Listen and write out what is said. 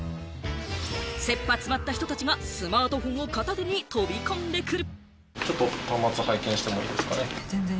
切羽詰まった人たちがスマートフォンを片手に飛び込んでくる。